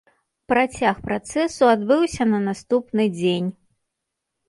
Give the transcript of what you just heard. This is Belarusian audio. Працяг працэсу адбыўся на наступны дзень.